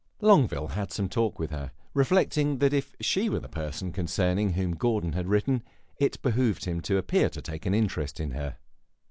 Longueville had some talk with her, reflecting that if she were the person concerning whom Gordon had written him, it behooved him to appear to take an interest in her.